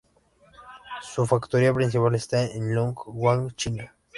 Su factoría principal está en Dong Guan, China.